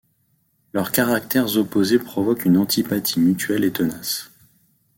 Leurs caractères opposés provoquent une antipathie mutuelle et tenace.